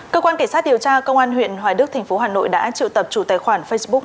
cơ quan cảnh sát điều tra công an huyện hoài đức thành phố hà nội đã triệu tập chủ tài khoản facebook